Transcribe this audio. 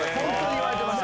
言われてました